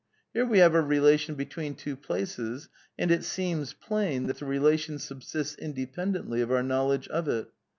Here we have a relation between two places, and it seems plain that the relation subsists independently of our knowledge of it.